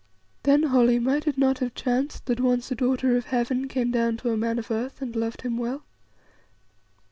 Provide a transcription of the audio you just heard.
"Then, Holly, might it not have chanced that once a daughter of Heaven came down to a man of Earth and loved him well?